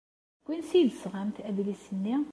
Seg wansi ay d-tesɣamt adlis-nni?